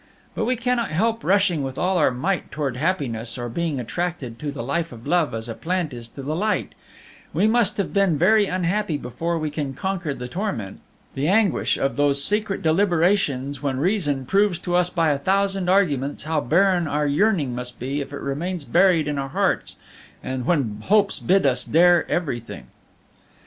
But we cannot help rushing with all our might towards happiness, or being attracted to the life of love as a plant is to the light; we must have been very unhappy before we can conquer the torment, the anguish of those secret deliberations when reason proves to us by a thousand arguments how barren our yearning must be if it remains buried in our hearts, and when hopes bid us dare everything.